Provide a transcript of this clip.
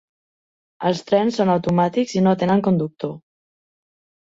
Els trens són automàtics i no tenen conductor.